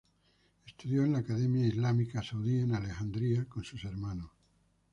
Estudió en la Academia Islámica Saudí en Alexandria con su hermanos.